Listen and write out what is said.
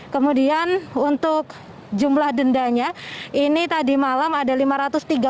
kemudian untuk jumlah dendanya ini tadi malam ada lima ratus tiga puluh delapan pelanggar yang terkena sanksi denda